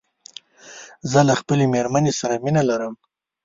زه له خپلې ميرمن سره مينه لرم